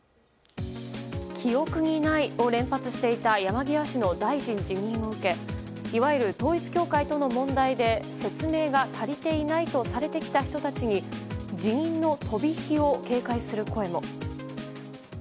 記憶にない、を連発していた山際氏の大臣辞任を受けいわゆる統一教会との問題で説明が足りていないとされてきた人たちに辞任の飛び火を警戒する声も。